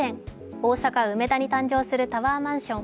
大阪・梅田に誕生するタワーマンション。